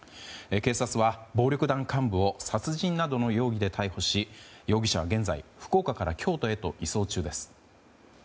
警察は、暴力団幹部を殺人などの容疑で逮捕し容疑者は現在福岡から京都へと移送中です。